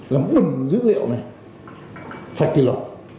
lắm bừng dữ liệu này phải kỳ lộ